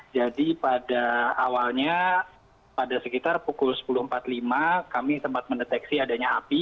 jadi pada awalnya pada sekitar pukul sepuluh empat puluh lima kami sempat mendeteksi adanya api